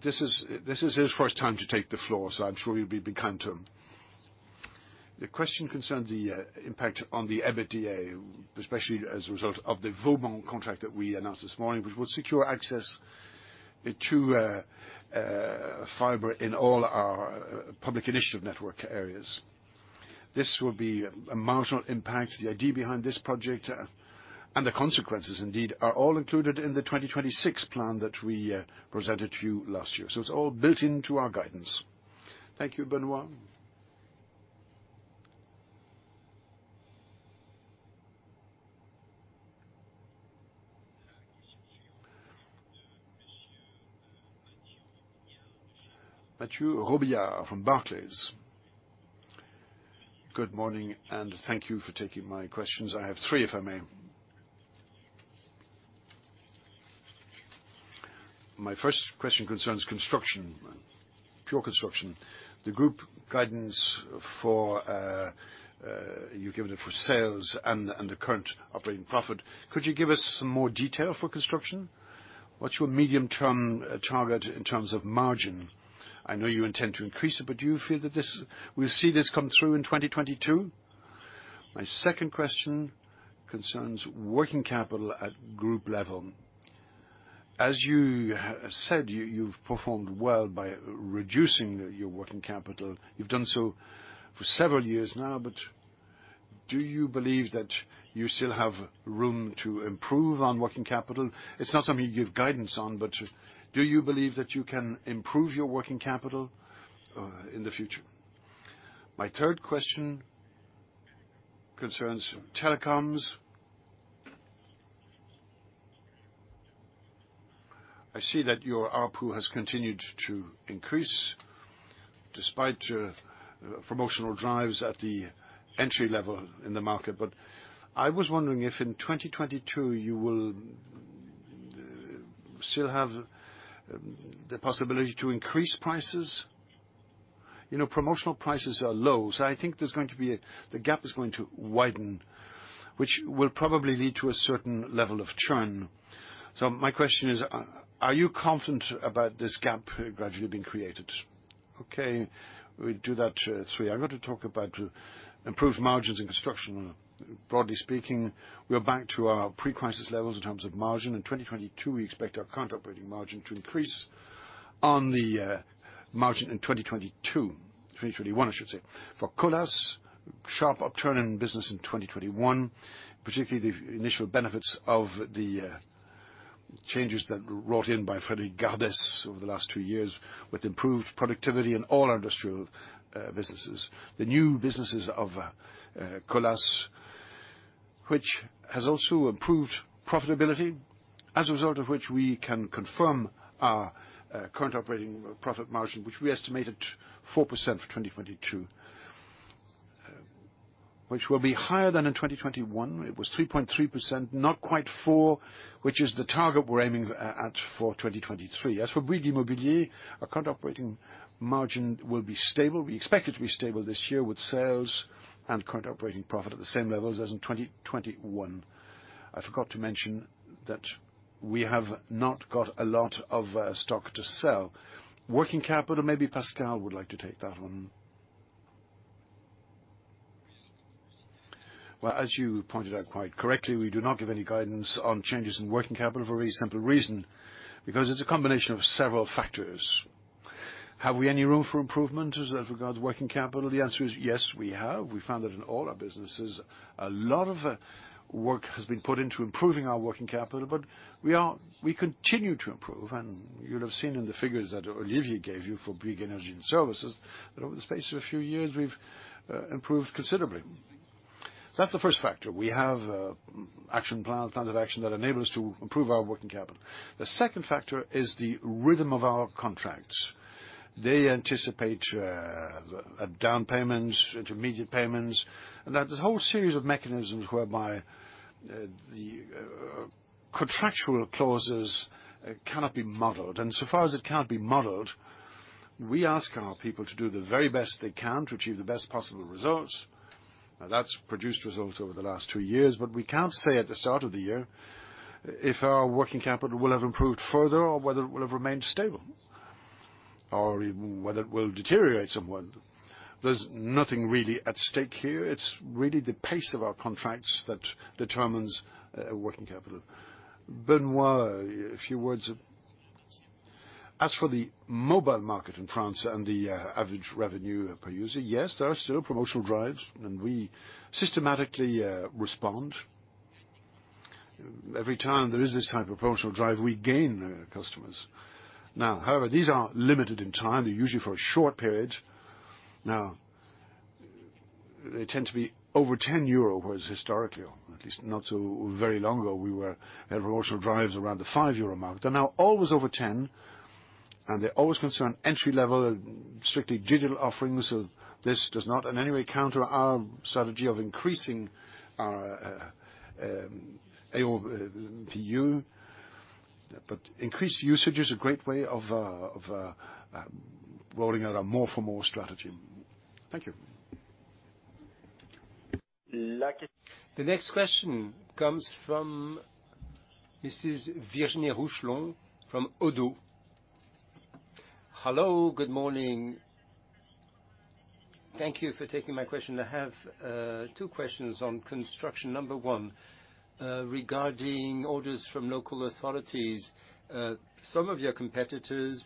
This is his first time to take the floor, so I'm sure you'll be kind to him. The question concerns the impact on the EBITDA, especially as a result of the Vauban contract that we announced this morning, which will secure access to fiber in all our Public Initiative Network areas. This will be a marginal impact. The idea behind this project and the consequences indeed are all included in the 2026 plan that we presented to you last year. It's all built into our guidance. Thank you, Benoît. Mathieu Robillard from Barclays. Good morning, and thank you for taking my questions. I have three, if I may. My first question concerns construction, pure construction. The group guidance for you give it for sales and the current operating profit. Could you give us some more detail for construction? What's your medium-term target in terms of margin? I know you intend to increase it, but do you feel that this we'll see this come through in 2022? My second question concerns working capital at group level. As you have said, you've performed well by reducing your working capital. You've done so for several years now, but do you believe that you still have room to improve on working capital? It's not something you give guidance on, but do you believe that you can improve your working capital in the future? My third question concerns telecoms. I see that your ARPU has continued to increase despite your promotional drives at the entry level in the market. I was wondering if in 2022, you will still have the possibility to increase prices. You know, promotional prices are low, so I think there's going to be a The gap is going to widen, which will probably lead to a certain level of churn. My question is, are you confident about this gap gradually being created? Okay, we do that, three. I'm going to talk about improved margins in construction. Broadly speaking, we are back to our pre-crisis levels in terms of margin. In 2022, we expect our current operating margin to increase on the margin in 2022, 2021, I should say. For Colas, sharp upturn in business in 2021, particularly the initial benefits of the changes that were brought in by Frédéric Gardès over the last two years, with improved productivity in all industrial businesses. The new businesses of Colas, which has also improved profitability, as a result of which we can confirm our current operating profit margin, which we estimated 4% for 2022, which will be higher than in 2021. It was 3.3%, not quite 4%, which is the target we're aiming at for 2023. As for Bouygues Immobilier, our current operating margin will be stable. We expect it to be stable this year with sales and current operating profit at the same level as in 2021. I forgot to mention that we have not got a lot of stock to sell. Working capital, maybe Pascal would like to take that one. Well, as you pointed out quite correctly, we do not give any guidance on changes in working capital for a very simple reason, because it's a combination of several factors. Have we any room for improvement as regards working capital? The answer is yes, we have. We found that in all our businesses, a lot of work has been put into improving our working capital, but we continue to improve. You'll have seen in the figures that Olivier gave you for Bouygues Energies & Services that over the space of a few years, we've improved considerably. That's the first factor. We have a plan of action that enable us to improve our working capital. The second factor is the rhythm of our contracts. They anticipate a down payment, intermediate payments, and that there's a whole series of mechanisms whereby the contractual clauses cannot be modeled. So far as it can't be modeled, we ask our people to do the very best they can to achieve the best possible results. Now, that's produced results over the last two years, but we can't say at the start of the year if our working capital will have improved further or whether it will have remained stable or even whether it will deteriorate somewhat. There's nothing really at stake here. It's really the pace of our contracts that determines working capital. Benoît, a few words. As for the mobile market in France and the average revenue per user, yes, there are still promotional drives, and we systematically respond. Every time there is this type of promotional drive, we gain customers. Now, however, these are limited in time. They're usually for a short period. Now, they tend to be over 10 euro, whereas historically, or at least not so very long ago, we had promotional drives around the 5 euro mark. They're now always over 10, and they always concern entry-level, strictly digital offerings. This does not in any way counter our strategy of increasing our ARPU. Increased usage is a great way of rolling out our more for more strategy. Thank you. The next question comes from. This is Virginie Rousseau from Oddo. Hello, good morning. Thank you for taking my question. I have two questions on construction. Number one, regarding orders from local authorities. Some of your competitors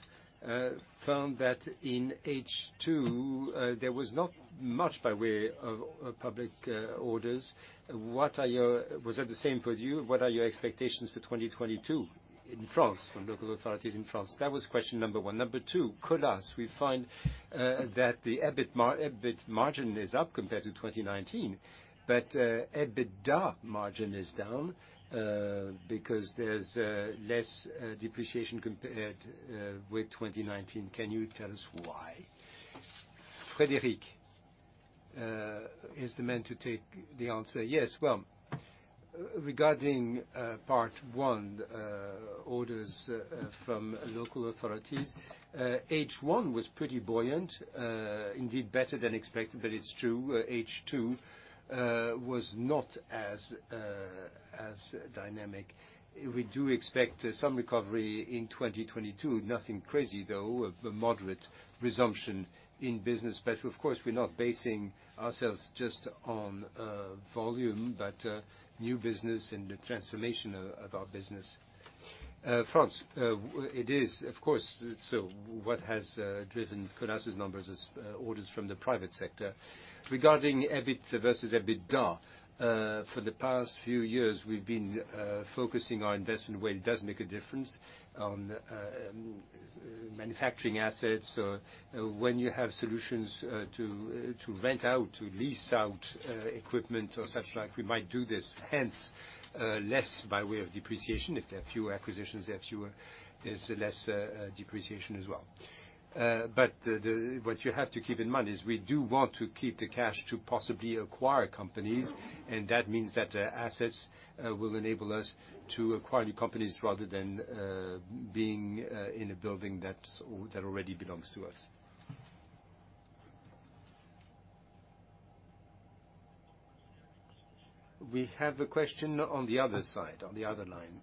found that in H2, there was not much by way of public orders. Was that the same for you? What are your expectations for 2022 in France, from local authorities in France? That was question number one. Number two, Colas. We find that the EBIT margin is up compared to 2019, but EBITDA margin is down, because there's less depreciation compared with 2019. Can you tell us why? Frédéric is the man to take the answer. Yes. Well, regarding part one, orders from local authorities, H1 was pretty buoyant, indeed better than expected. It's true, H2 was not as dynamic. We do expect some recovery in 2022. Nothing crazy, though. A moderate resumption in business. Of course, we're not basing ourselves just on volume, but new business and the transformation of our business. In France, it is, of course. What has driven Colas' numbers is orders from the private sector. Regarding EBIT versus EBITDA, for the past few years, we've been focusing our investment where it does make a difference on manufacturing assets. When you have solutions to rent out, to lease out equipment or such like, we might do this, hence less by way of depreciation. If there are fewer acquisitions, there's less depreciation as well. What you have to keep in mind is we do want to keep the cash to possibly acquire companies, and that means that assets will enable us to acquire new companies rather than being in a building that already belongs to us. We have a question on the other side, on the other line.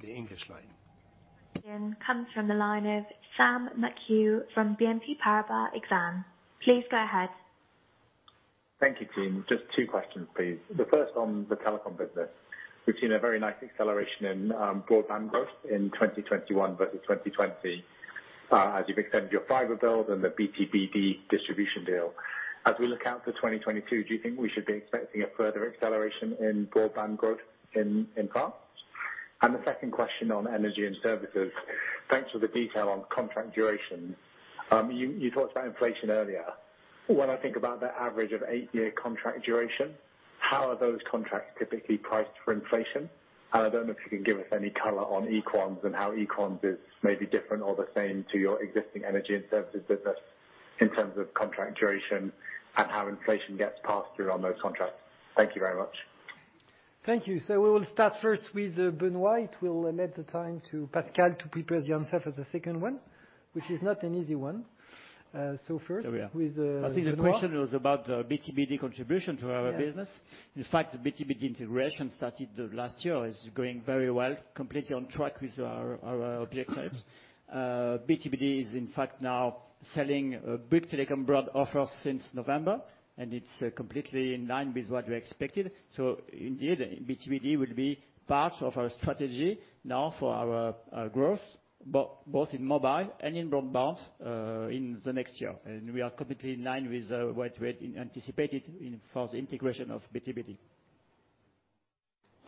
The English line. Comes from the line of Sam McHugh from BNP Paribas Exane. Please go ahead. Thank you, team. Just two questions, please. The first on the telecom business. We've seen a very nice acceleration in broadband growth in 2021 versus 2020, as you've extended your fiber build and the BTBD distribution deal. As we look out to 2022, do you think we should be expecting a further acceleration in broadband growth in France? The second question on energy and services. Thanks for the detail on contract duration. You talked about inflation earlier. When I think about the average eight-year contract duration, how are those contracts typically priced for inflation? I don't know if you can give us any color on Equans and how Equans is maybe different or the same to your existing energy and services business in terms of contract duration and how inflation gets passed through on those contracts. Thank you very much. Thank you. We will start first with Benoît. It will lend the time to Pascal to prepare the answer for the second one, which is not an easy one. I think the question was about the BTBD contribution to our business. Yeah. In fact, BTBD integration started last year, is going very well, completely on track with our objectives. BTBD is in fact now selling a Bouygues Telecom broadband offer since November, and it's completely in line with what we expected. Indeed, BTBD will be part of our strategy now for our growth, both in mobile and in broadband, in the next year. We are completely in line with what we had anticipated for the integration of BTBD.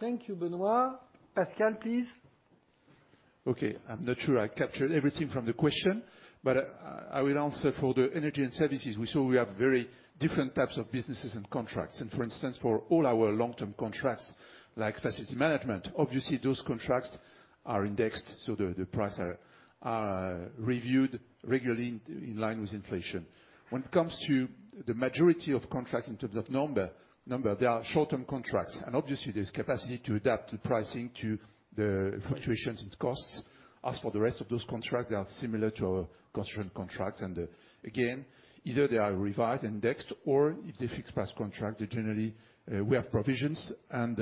Thank you, Benoît. Pascal, please. Okay, I'm not sure I captured everything from the question, but I will answer for the energy and services. We have very different types of businesses and contracts, and for instance, for all our long-term contracts like facility management, obviously, those contracts are indexed, so the prices are reviewed regularly in line with inflation. When it comes to the majority of contracts in terms of number, they are short-term contracts, and obviously, there's capacity to adapt the pricing to the fluctuations in costs. As for the rest of those contracts, they are similar to our construction contracts, and again, either they are revised, indexed, or if they are fixed-price contracts, they generally we have provisions and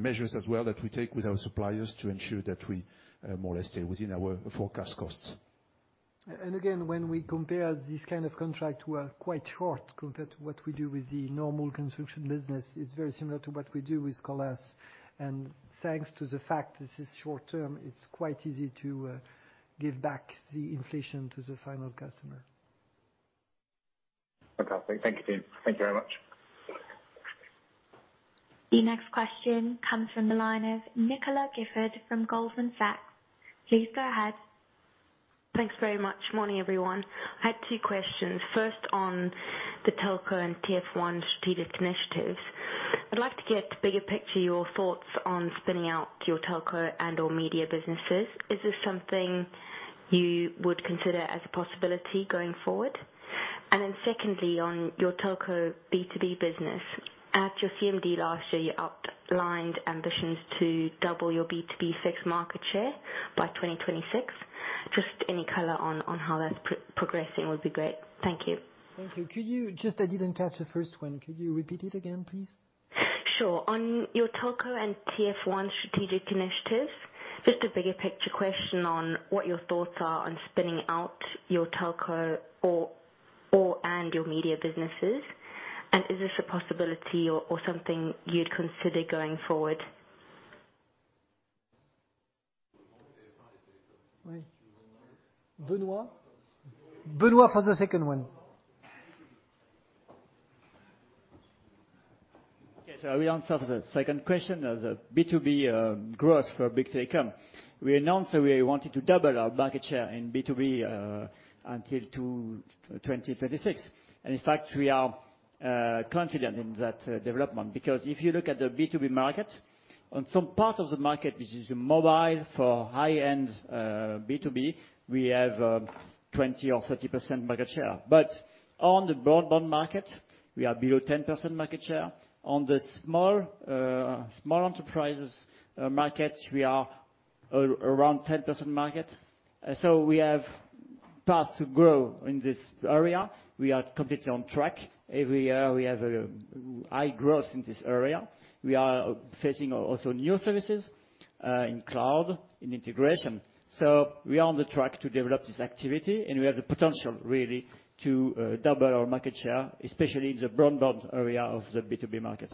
measures as well that we take with our suppliers to ensure that we more or less stay within our forecast costs. Again, when we compare this kind of contract, we're quite short compared to what we do with the normal construction business. It's very similar to what we do with Colas. Thanks to the fact this is short-term, it's quite easy to give back the inflation to the final customer. Okay. Thank you, team. Thank you very much. The next question comes from the line of Nicola Gifford from Goldman Sachs. Please go ahead. Thanks very much. Morning, everyone. I had two questions. First, on the telco and TF1 strategic initiatives. I'd like to get bigger picture your thoughts on spinning out your telco and/or media businesses. Is this something you would consider as a possibility going forward? And then secondly, on your telco B2B business. At your CMD last year, you outlined ambitions to double your B2B fixed market share by 2026. Just any color on how that's progressing would be great. Thank you. Thank you. I didn't catch the first one. Could you repeat it again, please? Sure. On your telco and TF1 strategic initiatives, just a bigger picture question on what your thoughts are on spinning out your telco or and your media businesses? Is this a possibility or something you'd consider going forward? Benoît. Benoît for the second one. Okay. I will answer the second question as a B2B growth for Bouygues Telecom. We announced that we wanted to double our market share in B2B until to 2026. In fact, we are confident in that development. Because if you look at the B2B market, on some part of the market, which is mobile for high-end B2B, we have 20 or 30% market share. On the broadband market, we are below 10% market share. On the small enterprises market, we are around 10% market. We have path to grow in this area. We are completely on track. Every year, we have a high growth in this area. We are facing also new services in cloud, in integration. We are on the track to develop this activity, and we have the potential really to double our market share, especially in the broadband area of the B2B market.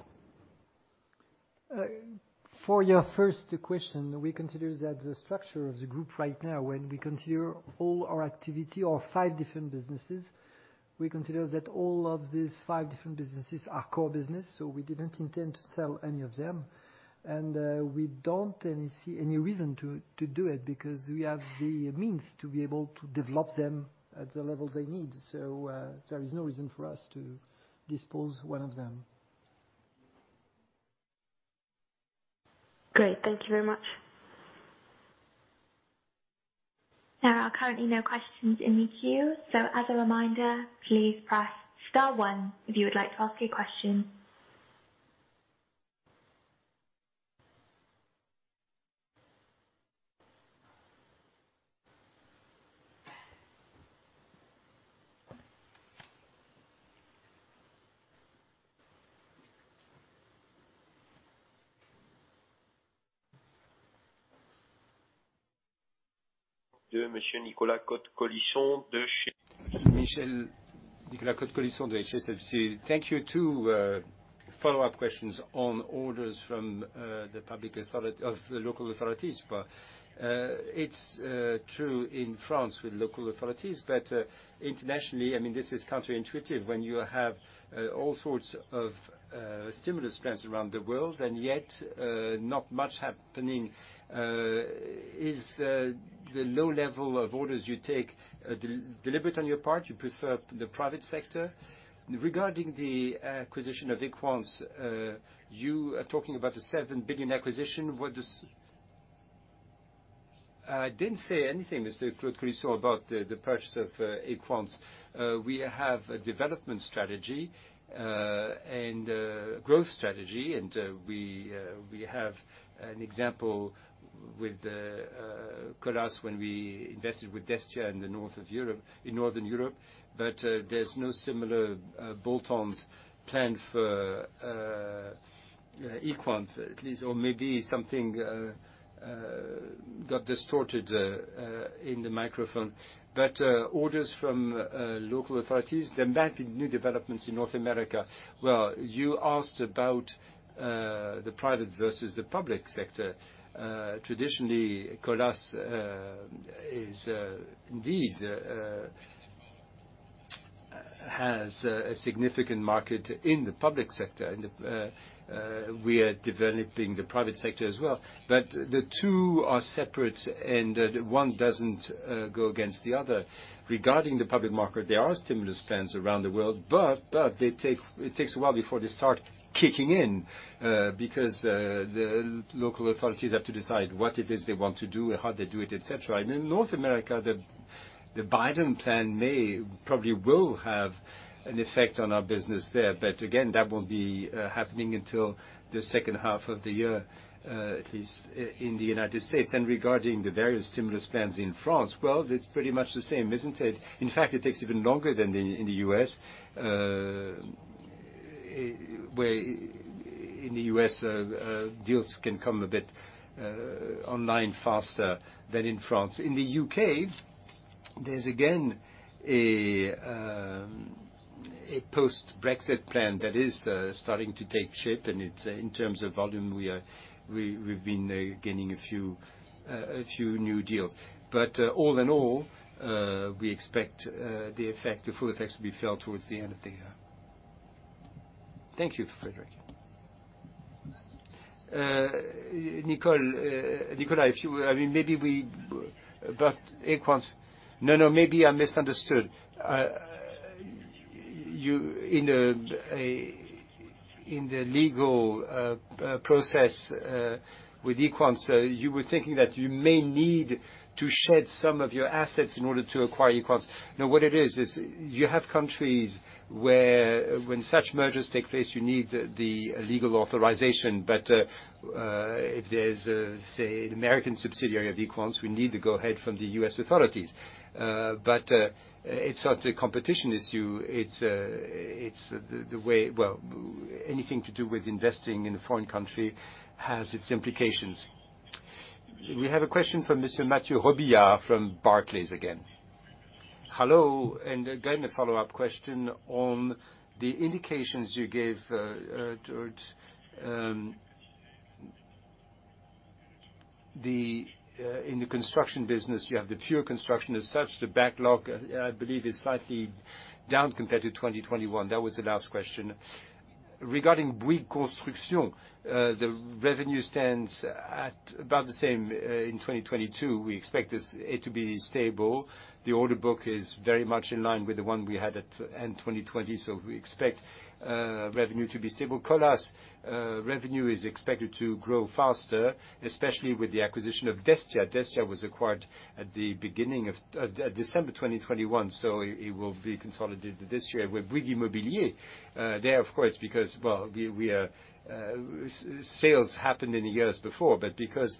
For your first question, we consider that the structure of the group right now, when we consider all our activity or five different businesses, we consider that all of these five different businesses are core business. We didn't intend to sell any of them. We don't see any reason to do it because we have the means to be able to develop them at the level they need. There is no reason for us to dispose one of them. Great. Thank you very much. There are currently no questions in the queue. So as a reminder, please press star one if you would like to ask a question. Monsieur Nicolas Cote-Colisson of HSBC. Thank you. Two follow-up questions on orders from the local authorities. It's true in France with local authorities, but internationally, I mean, this is counterintuitive when you have all sorts of stimulus plans around the world, and yet not much happening. Is the low level of orders you take deliberate on your part? You prefer the private sector? Regarding the acquisition of Equans, you are talking about a 7 billion acquisition. I didn't say anything, Mr. Cote-Colisson, about the purchase of Equans. We have a development strategy and growth strategy. We have an example with Colas when we invested with Destia in Northern Europe. There's no similar bolt-ons planned for Equans at least. Maybe something got distorted in the microphone. Orders from local authorities, there might be new developments in North America. Well, you asked about the private versus the public sector. Traditionally, Colas indeed has a significant market in the public sector. We are developing the private sector as well. The two are separate, and one doesn't go against the other. Regarding the public market, there are stimulus plans around the world, but it takes a while before they start kicking in, because the local authorities have to decide what it is they want to do, how they do it, et cetera. In North America, the Biden plan may probably will have an effect on our business there. Again, that won't be happening until the second half of the year, at least in the United States. Regarding the various stimulus plans in France, well, it's pretty much the same, isn't it? In fact, it takes even longer than in the U.S., where in the U.S. deals can come a bit online faster than in France. In the U.K., there's again a post-Brexit plan that is starting to take shape. It's in terms of volume, we've been gaining a few new deals. All in all, we expect the full effects will be felt towards the end of the year. Thank you, Frédéric. Nicola, Nicolas, maybe I misunderstood. In the legal process with Equans, you were thinking that you may need to shed some of your assets in order to acquire Equans. No, what it is you have countries where when such mergers take place, you need the legal authorization. If there's, say, an American subsidiary of Equans, we need the go ahead from the U.S. authorities. It's not a competition issue. It's the way. Well, anything to do with investing in a foreign country has its implications. We have a question from Mr. Mathieu Robillard from Barclays again. Hello, again, a follow-up question on the indications you gave towards the. In the construction business, you have the pure construction as such. The backlog, I believe, is slightly down compared to 2021. That was the last question. Regarding Bouygues Construction, the revenue stands at about the same in 2022. We expect it to be stable. The order book is very much in line with the one we had at end 2020, so we expect revenue to be stable. Colas, revenue is expected to grow faster, especially with the acquisition of Destia. Destia was acquired at the beginning of December 2021, so it will be consolidated this year. With Bouygues Immobilier, there of course, because, well, sales happened in the years before. because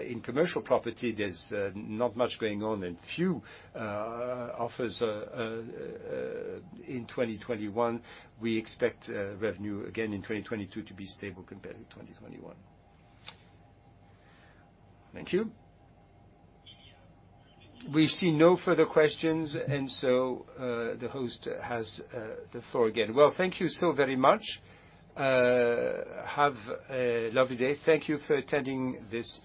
in commercial property there's not much going on and few offers in 2021, we expect revenue again in 2022 to be stable compared to 2021. Thank you. We see no further questions, the host has the floor again. Well, thank you so very much. Have a lovely day. Thank you for attending this